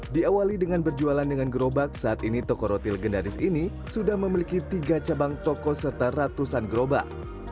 diawali dengan berjualan dengan gerobak saat ini toko roti legendaris ini sudah memiliki tiga cabang toko serta ratusan gerobak